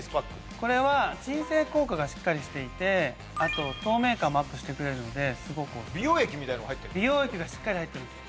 これは鎮静効果がしっかりしていてあと透明感もアップしてくれるのですごくオススメ美容液がしっかり入ってます